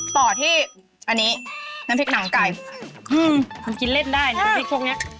ต่อที่อันนี้น้ำพริกหนังไก่ทำกินเล่นได้นะน้ำพริกพวกเนี้ย